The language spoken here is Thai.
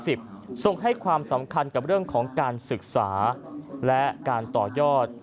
ส่งให้ความสำคัญกับเรื่องของการศึกษาและการต่อยอด